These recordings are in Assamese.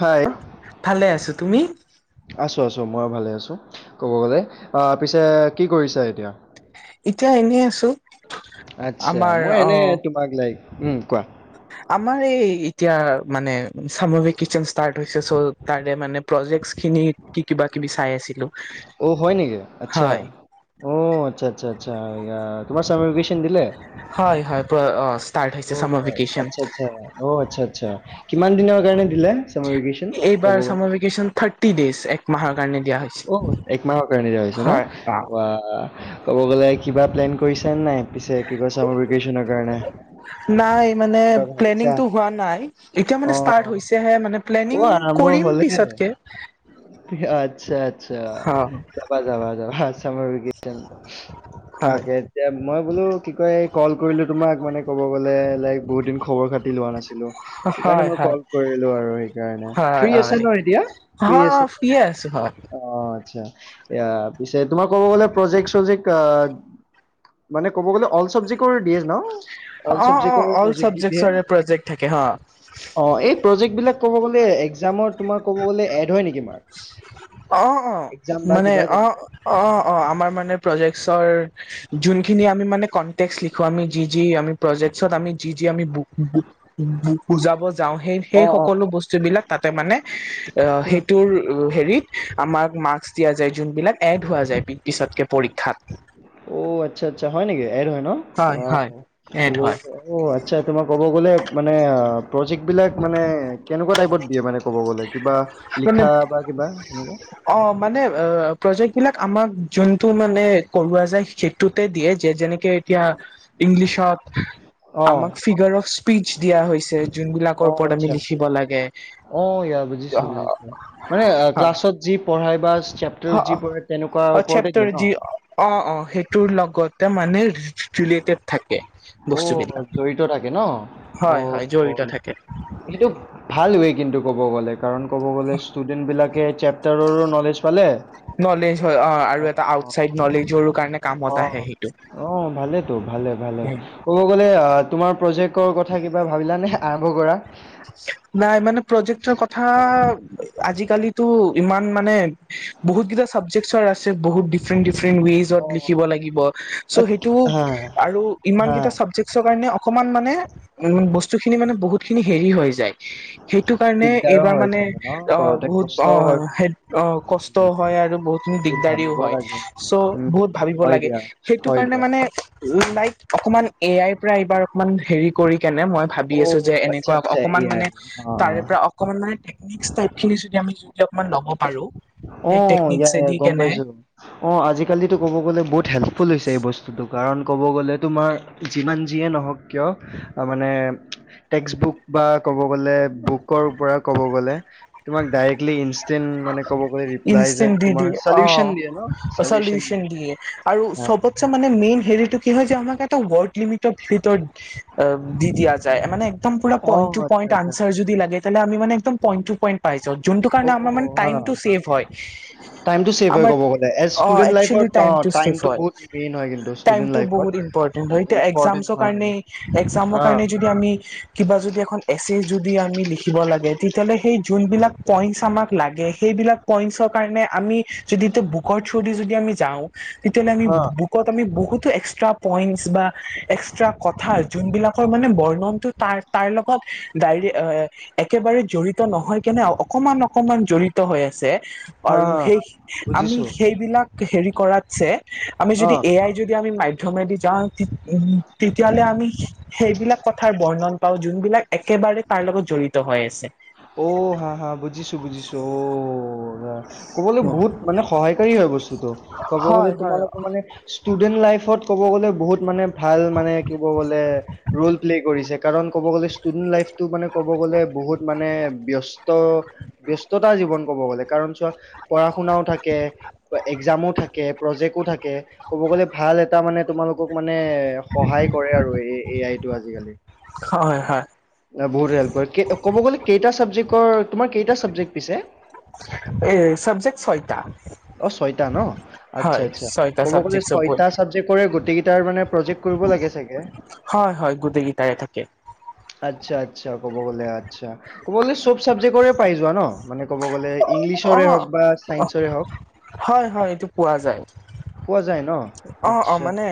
হাই ভালে আছো তুমি? আছো আছো মই ভালে আছোঁ ক'ব গ'লে পিছে কি কৰিছা এতিয়া? এতিয়া এনেই আছো। আচ্ছা আমাৰ মই অ এনে তোমাক লাইক উম কোৱা। আমাৰ এই এতিয়া চামাৰ ভিকেচন ষ্টাৰ্ট হৈছে চ তাৰে মানে প্ৰজেক্ [unintelligible] খিনি কি কিবা কিবি চাই আছিল। অ হয় নেকি আচ্ছা অ আচ্ছা আচ্ছা আচ্ছা তোমাৰ স্বাম হয় হয় অ ষ্টাৰ্ট হৈছে অ' চামাৰ ভিকেছন হয়। আচ্ছা আচ্ছা অ আচ্ছা আচ্ছা কিমান দিনৰ কাৰণে দিলে চামৰভিকেচনন কব এইবাৰ গলে। চামাৰ ভেকেচন থাৰ্টি ডেইজ এক মাহৰ কাৰণে দিয়া হৈছে অ একমাহৰ কাৰণে দিয়া হৈছে ন হয় অ বা। ক'ব গ'লে কিবা প্লেন কৰিছনে নে নাইপিছে চামাৰ ভিকেশন কাৰণে নাই মানে কিবা ভাবিছা হোৱা নাই, এতিয়া মানে ষ্টাৰ্ট অ' হৈছেহে অ' প্লেনিং আৰম্ভ কৰিম হ'লহে পিছত কে [unintelligible] আচ্ছা আচ্ছা যাবা যাবা যাবা আ চামাৰ ভিকেচন, হয় তাকে এতিয়া মই বোলো কি কয়। কৰিলো তোমাক মানে কব গ'লে লাইক বহুত দিন খবৰ খাতি লোৱা নাছিল [unintelligible] নাছিলো সেইকাৰণে হয় মানে হয় কৰিলো আৰু সেইকাৰণে হয় ফ্ৰী আছা হয় ন এতিয়া ফ্ৰি হয় ফ্ৰীয়ে আছো হয় অ আচ্ছা এ পিছে তোমাৰ ক'ব গলে প্ৰজেক্ট চজেক্ট আহ। মানে ক'ব গ'লে অল চাবজেক্টৰ দিয়ে ন। অল অ অ চাবজেক্টৰ অল প্ৰজেক্ট দি দিয়ে চাবজেক্টৰে প্ৰজেক্ট থাকে হ এইবিলাক ক'ব গ'লে এক্জামৰ তোমাৰ ক'ব গ'লে এড হয় নেকি মাৰ্ক [unintelligible] অ অ মানে কিবা অ তেনেকুৱা অ অ আমাৰ মানে প্ৰজেক্চৰ যোনখিনি আমি মানে কণ্টেক্টচ লিখো আমি যি যি আমি প্ৰজেক্টছ আমি যি যাই [unintelligible] বুজাব যাও সেই অ সেই সকলো বস্তু বিলাক তাতে মানে আহ অ সেইটোৰ হেৰিত আমাক মাস্ক দিয়া যায় যোনবিলাক এড হোৱা যায়ি [unintelligible] অ আচ্ছা আচ্ছা হয় নেকি আৰু হয় ন হয় হয় ক'ব এড হয় গ'লে, অ' আচ্ছা তোমাক ক'ব গলে। মানে, প্ৰজেক্টবিলাক মানে কেনেকুৱা টাইপত দিয়ে মানে ক'ব গ'লে কিবা মানে, লিখা বা কিবা তেনেকুৱা? অ' মানে প্ৰজেক্টবিলাক আমাক যোনটো মানে কৰোৱা যায়, সেইটোতে দিয়ে যে যেনেকে এতিয়া ইংলিছত, অ', আমাক ফিগাৰ অফ স্পীচ দিয়া হৈছে। যোনবিলাকৰ অ' ওপৰত আমি আচ্ছা। লিখিব লাগে। অ' ইয়া বুজিছো, মানে ক্লাছত যি পঢ়াই হ' দিয়ে চেপ্টাৰ ন? যি অ' অ' সেইটোৰ লগত মানে ৰিলেটেড থাকে। বস্তুবিলাক অ' জড়িত থাকে ন? অ' হয় হয় জড়িত [unintelligible] থাকে সেইটো ভালবে কিন্তু ক'ব গ'লে, কাৰণ ক'ব গ'লে ষ্টুডেন্টবিলাকে চেপটাৰৰো ন'লেজ পালে। নলেজ হয়, অ' আৰু এটা অ' আউটচাইড নলেজৰো কাৰণে কামত আহে, অ', সেইটো অ', ভালেতো ভালে ভালে, ক'ব গ'লে আ তোমাৰ প্ৰজেক্টৰ কথা কিবা ভাবিলা নে আৰম্ভ কৰা! নাই মানে প্ৰজেক্টৰ কথা আজিকালিতো, ইমান মানে বহুতকেইটা চাবজেক্টচৰ আছে, বহুত ডিফাৰেণ্ট ডিফাৰেণ্ট [unintelligible] ৱেজত অ'। লিখিব লাগিব, আ, ছ' সেইটো হা, আৰু হা, ইমানকেইটা চাবক্টছৰ কাৰণে, অ মান মানে, উ বস্তুখিনি মানে বহুতখিনি হেৰি হৈ যায়। [inaudible] সেইটোকাৰণে দিগদাৰো এইবাৰ হয় মানে, চাগে ন অ' কৰোতে বহুত কষ্টও হয় বহুত। অ' কষ্ট উম, হয় আৰু বহুত দিগদাৰিও ভাবিব হয়, লাগে, চ' বহুত উম, ভাবিব হয় লাগে। দিয়া, হয় সেইটোকাৰণে দিয়া। মানে অকমান এআইৰ পৰা এইবাৰ অকমান হেৰি কৰি কেনে মই ভাবি আছো অ', যে এনে আচ্ছা আচ্ছা এ অকমান আই মানে, অ', অ'। তাৰে পৰা অকমান মানে টেকনিকচ টাইপখিনি যদি আমি শিকি অকমান ল'ব পাৰো। সেই অ' ইয়া টেকনিকছে ইয়া দি গম কেনে পাইছো। অ' আজিকালিতো ক'ব গ'লে বহুত হেল্পফুল হৈছে এই বস্তুটোক কাৰণ ক'ব গ'লে তোমাৰ যিমান যিয়ে নহওক কিয়, মানে টেক্সটবুক বা ক'ব গ'লে বুকৰ পৰা ক'ব গ'লে তোমাক ডাইৰেক্টলি ইনষ্টেণ্ট মানে ক'ব গ'লে ৰিপ্লাইজ ইনষ্টেন্ট এণ্ড দি তোমাৰ দিয়ে। চলিউচন অ', দিয়ে ন চলিউচন দিয়ে। আৰু হা। চবতচে মানে মেইন সেই এইটো কি হয় যে, আমাক এটা ৱৰ্ড লিমিটৰ ভিতৰত দি দিয়া যায়। মানে একদম পুৰা অ', আচ্ছা পইণ্ট-টু-পইণ্ট আচ্ছা। আনচাৰ যদি লাগে, তেন্তে আমি মানে একদম পইণ্ট-টু-পইণ্ট পায়, য'ত যোনটো কাৰণে আমাৰ মানে অ', হা টাইমটো ছেভ হয়। টাইমটো ছেভ হয় আমাৰ ক'ব গ'লে এজ অ' ষ্টুডেন্ট এক্সচুৱেলি লাইফত অ', টাইমটো ছেভ হয়। বহুত মেইন হয় কিন্তু ষ্টুডেন্ট টাইমটো লাইফত বহুত ইম্পৰ্টেণ্ট হয়, এতিয়া ইম্পৰ্টেন্ট এক্সামছৰ হয়। কাৰণে এক্সামৰ হা কাৰণে যদি আমি কিবা যদি এখন এছে যদি আমি লিখিব লাগে, তেতিয়াহ'লে সেই যোনবিলাক পইন্টচ আমাক লাগে, সেইবিলাক পইন্টচৰ কাৰণে আমি যদিটো বুকৰ থ্ৰ'দি যদি যদি আমি যাওঁ, তেতিয়াহ'লে আমি হা বুকত আমি বহুতো এক্সপ্ৰি টা পইণ্টছ বা এক্সট্ৰা কথা, যোনবিলাকৰ মানে বৰ্ণননো তাৰ, তাৰ লগত ডাইৰেক্ট একেবাৰে জড়িত নহয় কেনে, অকণমান অ অকণমান জড়িত হৈ আছে। হা আৰু হা সেই আমি বুজিছো। সেইবিলাক হেৰি কৰাতছে আমি অ যদি এআইৰ যদি আমি মাধ্যমেদি যাওঁ, তেতিয়া তেতিয়াহ'লে আমি সেইবিলাক কথাৰ বৰ্ণন পাওঁ, যোনবিলাক একেবাৰে তাৰ লগত জড়িত হৈ আছে। অ' হা হা, বুজিছো বুজিছো। অ'। ক'বলে বহুত মানে সহায়কাৰী হয় বস্তুটো, ক'ব গ'লে হয় হয় তোমালোকৰ মানে ষ্টুডেন্ট লাইফত ক'ব গ'লে বহুত মানে ভাল মানে, কি ক'বলে ৰ'ল প্লে কৰিছে কাৰণ ক'ব গ'লে ষ্টুডেণ্ট লাইফটো মানে ক'ব গ'লে বহুত মানে ব্যস্ত ব্যস্ততা জীৱন ক'ব গ'লে। কাৰণ চোৱা পঢ়া-শুনাও থাকে, একজামো থাকে, প্ৰজেকো থাকে, ক'ব লে ভাল এটা মানে, তোমালোকক মানে মানে সহায় কৰে আৰু। এআইটো আজিকালি হয় হয় বহুত হেল্প কৰে। ক'ব গলে কেইটা চাবজেক্টৰ? তোমাৰ কেইটা চাবজেক্ট পিছে? [inaudible] এ চাবজেক্ট ছয়টা। অ ছয়টা ন আচ্ছা হয় আচ্ছা ছয়টা ক'ব গ'লে চাবজেক্ট চবত ছয়টা চাবজেক্টৰে তাৰ মানে প্ৰজেক্ট কৰিব লাগে চাগে। হয় হয় গোটেইকেইটাৰে থাকে আচ্ছা আচ্ছা ক'ব গ'লে আচ্ছা ক'ব গ'লে চব চাবজেক্টৰে পাই যোৱা ন মানে ক'ব গ'লে অ ইংলিছৰে হওক বা ছাইন্সৰে হয় হয় এইটো পোৱা যায় হওক পোৱা যায় ন অ অ আচ্ছা মানে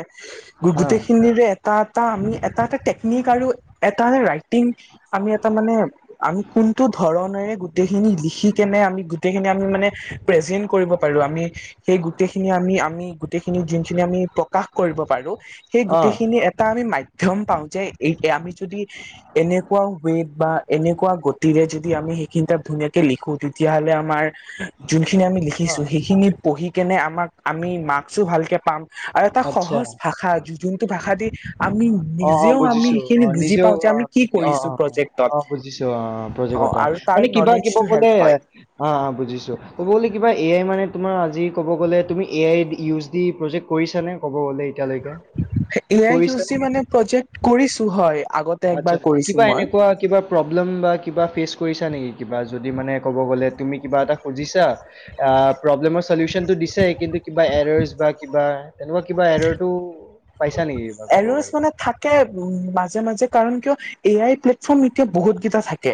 হা গোটেইখিনিৰে এটা এটা আমি এটা এটা আৰু এটা ৰাইটিং আমি এটা মানে আমি কোনটো ধৰণৰে গোটেইখিনি ম লিখি কেনে আমি গোটেইখিনি আমিমানে প্ৰজেন কৰিব পাৰো আমি সেই গোটেইখিনি আমি আমি গো। যখিনি আমি প্ৰকাশ কৰিব পাৰো সেই অ গেইিনি এটা আমি ম ম পাওঁ যে এই আমি যদি এনেকুৱাও ৱে বা এনেকুৱা গতিৰে যদি আমি সেইখিনি তাত ধুনীয়াকে লিখো তেতিয়াহলে আমাৰ যোনখিনি আমি অ লিখিছো সেইখিনি পঢ়ি কেনে আমাক আমি মাৰ্কচো ভালকে পাম। আৰু এটা আচ্ছা সহজ ভাষা যোনটো ভাষা দি আমি অ অ নিজেও আমি বুজিছো অ সেইখিনি বুজি নিজেও পাওঁ যে আমি আহ কি অ অ কৰিছো প্ৰজেক্টত অ অ বুজিছো অ। আৰু তাৰ মানে কিবা কিব নলেজটো ক'লে হেল্প হয় অ বুজিছো ক'ব গলে কিবা এয়াই মানে। তোমাৰ আজি ক'ব গ'লে তুমি A I use D project কৰিছা নে ক'ব। গ'লে এতিয়ালৈকে এ আই ইউ কৰিছা চি মানে প্ৰজেক্ট কৰিছো হয়। আগতে একবাৰ আচ্ছা কৰিছো কিবা মই এনেকুৱা কিবা প্ৰব্লেম বা। কিবা ফেচ কৰিছা নেকি কিবা যদি মানে কব গলে তুমি কিবা এটা খুজিছা আ প্ৰবলেমৰ। চলিউচনটো দিছে কিন্তু কিবা এৰাৰছ বা কিবা তেনেকুৱা কিবা এৰৰটো। পাইছা নেকি কিবা ক'ব এৰছ গ'লে মানে থাকে উ মাজে মাজে কাৰন কিয় এ আই প্লেটফৰ্ম এতিয়া বহুত কেইটা থাকে।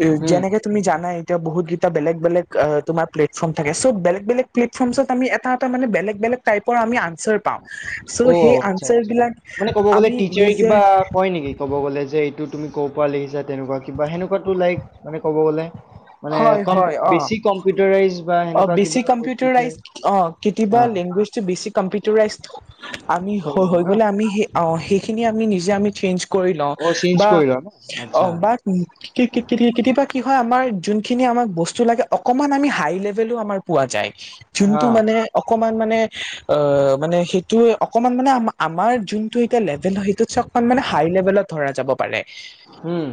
কে উম যেনেকে তুমি জানাই। এ বহুতকেইটা বেগ বেলেগ আ তোমাৰ প্লেটফৰ্ম থাকে' চ বেলেগ বেলেগ প্লেটফৰ্মছত আমি এটা এ মানে বেলেগ বেলেগ। লেক টাইপৰ আমি আঞ্চাৰ পাও চ অ সেই আচ্ছা আঞ্চাৰ আচ্ছা বিলাক। মানে ক'ব গ'লে আমি টিচাৰে নিজে কিবা কয় নেকি ক'ব গ'লে যে। এইটো তুমি কৰ পৰা লিখিছা তেনেকুৱা কিবা সেনেকুৱাটো লাইক মানে ক'ব গ'লে। মানে হয় কম হয় অ বেছি কম্পিউটাৰাইজ। বা অ সেনেকুৱা কিবা বিছি কম্পিউটাৰ টিচাৰ ৰাইজ অ অ কিতিবা লেংগুৱেজ টো বেছি কম্পিউটাৰ ৰাই। আমি হ যায় হৈ ন গ'লে আমি সেই অ সেইখিনি আমি নিজে আমি। চেঞ্জ কৰি লও অ চেঞ্জ বা কৰি লোৱা ন অ আচ্ছা বা কি কি কি কিতিয়াবা। কি হয় আমাৰ যোনখিনি আমাক বস্তু লাগে অকণমান আমি হাই লেভেলো আমাৰ পোৱা যায়। যোনটো হা মানে অকমান মানে অ মানে সেই। ত অকমান মানে আ আমাৰ যোনতটো এতিয়া লেভেল হয় সেইটো চকমান মানে হাই লেভেলত ধৰা যাব পাৰে। উম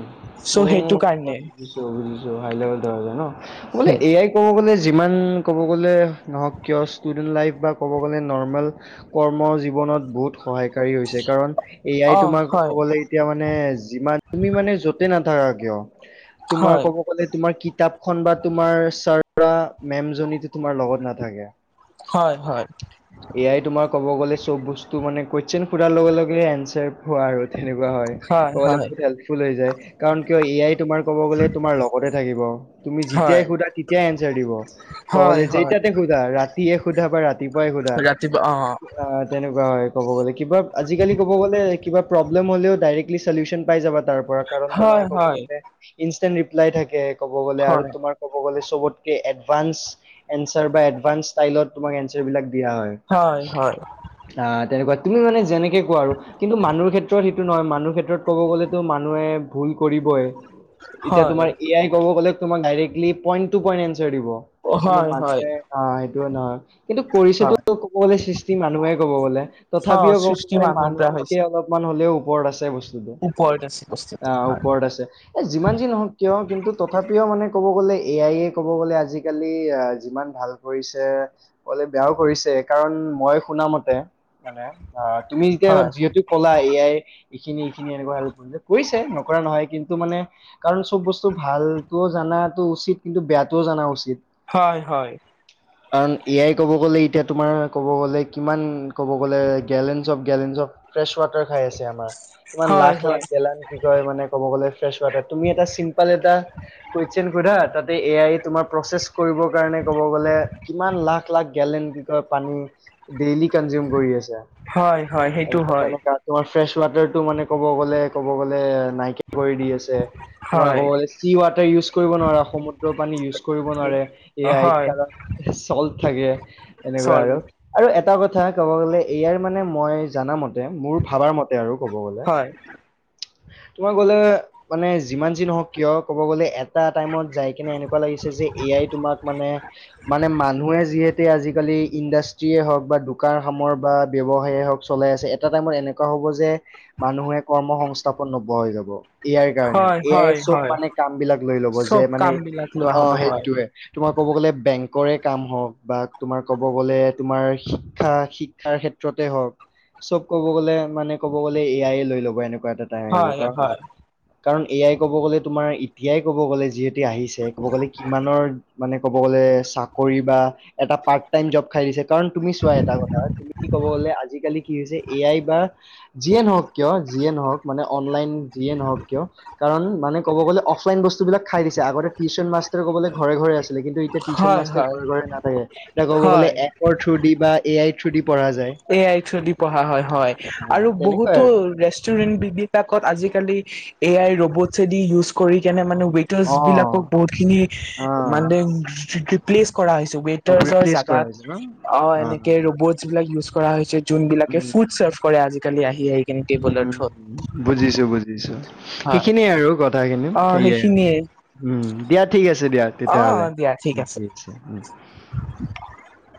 চ' সেইটো মোৰ কাৰণে বুজিছো বুজিছো হাই লেভেল ধৰা যায় ন। বোলে এয়াই ক'ব গ'লে। যিমান ক'ব গ'লে নহওক কিয় ষ্টুডেণ্ট লাইফ বা ক'ব গ'লে নৰ্মেল কৰ্ম জীৱন। খনত বহুত সহায়কাৰী হৈছে কাৰণ এয়াই অ তোমাক ক'ব হয় গলে এতিয়া মানে যিমান তুমি মানে য'তে নাথাকা কিয়। তোমাৰ হয় কব গলে তোমাৰ কি? কিতাপখন বা তোমাৰ ছাৰ বা মেম জনী তোমাৰ লগত নাথাকে। হয় হয় এয়াই তোমাৰ ক'ব গ'লে চব বস্তু মানে কুৱেশ্যন হুধাৰ লগে লগে এনঞ্চাৰ হোৱা আৰু- তেনেকুৱা হয় ক'বলে- ফুল হৈ যায় কাৰণ কিয় এ আই তোমাৰ। কব গলে তোমাৰ লগতে থাকিব তুমি হয় যেতিয়াই সোধা তেতিয়াই এনচাৰ দিব কব গলে হয় হয় যেইতাতে সোধা ৰা। ৰাতিয়ে সোধা বা ৰাতিপুৱাই সোধা ৰাতিপুৱা অ', আ তেনেকুৱা হয় ক'ব গলে। তিবক কিবা আজিকালি কব গলে কিবা প্ৰব্লেম হ'লেও ডাইৰেক্টলি চলিউচন পাই যাবা তাৰ। পৰা কাৰণ তোমাৰ হয় কব হয় গলে ইনষ্টেন ৰিপ্লাই থাকে কব গলে আৰু হয় তোমাৰ কব গলে। চবতকে এডভান্স এঞ্চাৰ বা এডভান্স ষ্টাইলত তোমাক এঞ্চাৰ বিলাক। দিয়া হয় আ তেনেকুৱাত। তুমি মানে যেনেকে কোৱা আৰু কিন্তু মানুহৰ ক্ষেত্ৰত হেটো নহয় মানুহ ক্ষেত্ৰত। ক'ব গ'লেতো মানুহে ভুল কৰিবই এতিয়া হয় তোমাৰ এ আই ক'ব গ'লে তোমাক দাৰেক্টলী পইণ্ট টো পইণ্ট এঞ্চাৰ দিব কিন্তু, হয় হয় মানুহে আহ সেইটো না কিন্তু কৰিছেতো হয় ক'বলে সৃষ্টি মানুহে ক'ব গলে অ', তথাপিও কব সৃষ্টি গ'লে মানুহৰ পৰা মানুহতকে হৈছে অলপমান হলেও ওপৰত আছে বস্তুটো। ওপৰত আছে বস্তুটো আহ হয় ওপৰত আছে এ যিমান যি নহওক কিয় কিন্তু, তথাপিও মানে ক'ব গ'লে এ আই য়ে ক'ব গ'লে আজিকালি আ' যিমান ভাল কৰিছে অলে বেয়াও কৰিছে কাৰণ মই শুনা মতে মানে আ'তুমি যেতিয়া হয় যিহেতু কলা এয়াই এইখিনি এনেকুৱা [unintelligible] কৰিছে নকৰা নহয় কিন্তু মানে কাৰণ চব বস্তু ভালটোও জানাটো উচ উচিত কিন্তু বেয়াটোয় জানা উচিত। হয়- হয়। কাৰণ এ আই ক'ব গ'লে এতিয়া তোমাৰ ক'ব গ'লে, কিমান ক'ব গ'লে, gallons of gallons of fresh water খাই আছে আমাৰ ইমান হয় লাখ- হয় লাখ গেলান কি কয় মানে ক'ব গ'লে ফ্ৰেছ ৱাটাৰ তুমি এটা চিম্পল এটা কোৱেশ্যন সোধা তাতে এ আই তোমাৰ প্ৰচেচ কৰিবৰ কাৰণে ক'ব গ'লে কিমান লাখ -লাখ গেলেন কি কয় পানী ডেইলি কনজিউম কৰি আছে। হয়-হয় সেইটো হয়। তেনেকা তোমাৰ ফ্ৰেছ ৱাটাৰটো মানে ক'ব গ'লে -ক'ব গ'লে নাইকিয়া কৰি দি আছে। তোমাৰ হয় ক'ব গলে চি ৱাটাৰ ইউজ কৰিব নোৱাৰা সমুদ্ৰৰ পানী ইউজ কৰিব নোৱাৰে এই আইত হয় কাৰণ চল্ট থাকে, এনেকুৱা চৰি আৰু- আৰু এটা কথা কথা ক'ব গলে এ আইৰ মানে মই জানা মতে মোৰ ভাবা মতে আৰু ক'ব গ'লে হয় [inaudible] তোমাৰ গলে মানে যিমান যি নহওক কিয় ক'ব গ'লে এটা টাইমত যাই কিনে এনেকুৱা লাগিছে যে এ আই তোমাক মানে- মানে মানুহে যিহেতে আজিকালি ইণ্ডাষ্ট্ৰিয়ে হওঁক বা দোকান সামৰা বা ব্যৱসায় হওক চলাই আছে এটা টাইমত এনেকুৱা হ'ব যে মানুহে কৰ্ম সংস্থাপন নোপোৱা হৈ যাব এ আইৰ কাৰণে হয় এআই হয় চব হয় মানে কাম বিলাক লৈ লব যে চব মানে কাম বিলাক লোৱা অহ হ'ব হয় সেইটোয়ে তোমাৰ ক'ব গ'লে বেংকৰে কাম হওঁক বা তোমাৰ ক'ব গ'লে তোমাৰ শিক্ষা, শিক্ষাৰ ক্ষেত্ৰত, ক্ষেত্রতে হওক চব কব গ'লে মানে ক'ব গলে এআইয়ে লৈ লব। ও'এনেকুৱা এটা টাইম আহিব হয় কাৰণ হয় কাৰণ এ আই ক'ব গ'লে তোমাৰ এতিয়াই কব গ'লে যিহেতু আহিছে ক'ব গ'লে কিমানৰ মানে ক'ব গ'লে এ চাকৰি বা এটা পাৰ্ট টাইম জব খাই দিছে। কাৰণ তুমি চোৱা এটা কথা তুমি কব গলে আজিকালি কি হৈছে এ আই বা যিয়ে নহওক কিয় জব মানে অনলাইন যিয়ে নহওক কিয় কাৰণ মানে ক'ব গ'লে অফলাইন বস্তু বিলাক খাই দিছে আগতে টিউচন টিউচন মাষ্টাৰ ক'ব গলে ঘৰে -ঘৰে আছিল লেকিনটো এতিয়া টিউচন হয় মাষ্টৰ হয় ঘৰে -ঘৰে নাথাকে। এতিয়া ক'ব গ'লে হয় এপৰ থ্ৰু দি বা এ আই থ্ৰু দি পঢ়া যায় এ আই থ্ৰু দি পঢ়া হয় -হয় আহ, আৰু তেনেকুৱাই বহুতো আৰু ৰেছ ৰেষ্টোৰেনবিলাকত আজিকালি এ আই ৰবটছেদি ইউজ কৰি কেনে মানে অ ৱেটাৰছবিলাকক বহুতখিনি মানে ৰিপ্লেচ কৰা হৈছে অ ৱেটাৰছৰ ৰিপ্লেচ কৰা জাগাত হৈছে ন অ'এনেকে অ ৰবটছ বিলাক ইউজ কৰা হৈছে যোন বিলাকে ফুড চাৰ্ভ কৰে আজিকালি আহি -আহি কেনে টেবুলৰ থ্ৰুত উম-উম-উম বুজিছো - বুজিছো, হয় সিখিনিয়ে আৰু [unintelligible] অ সেয়ে আৰু সেইখিনিয়ে উম দিয়া ঠিক আছে দিয়া অ অ তেতিয়াহ'লে দিয়া ঠিক আছে উম [unintelligible] [inaudible]